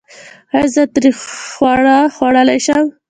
ایا زه تریخ خواړه خوړلی شم؟